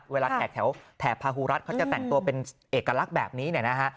แขกแถวแถบพาฮูรัฐเขาจะแต่งตัวเป็นเอกลักษณ์แบบนี้เนี่ยนะฮะ